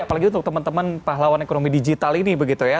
apalagi untuk teman teman pahlawan ekonomi digital ini begitu ya